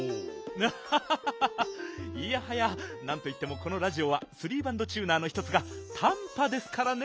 アハハいやはやなんといってもこのラジオはスリーバンドチューナーの１つがたんぱですからね。